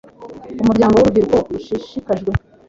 Umuryango w Urubyiruko Rushishikajwe